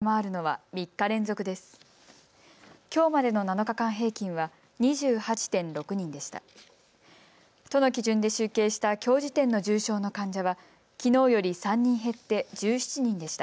都の基準で集計したきょう時点の重症の患者はきのうより３人減って１７人でした。